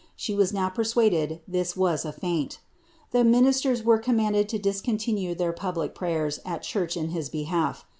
she was now persuaded ihis was a feint. The ministers were com manded lo discontinue their public pravers at church in his behalf.